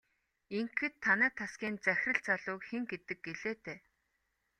Ингэхэд танай тасгийн захирал залууг хэн гэдэг гэлээ дээ?